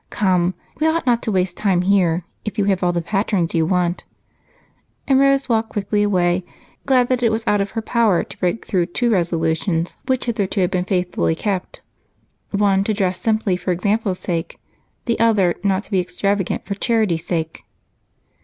Come, we ought not to waste time here if you have all the patterns you want." And Rose walked quickly away, glad that it was out of her power to break through two resolutions which hitherto had been faithfully kept one to dress simply for example's sake, the other not to be extravagant for charity's sake.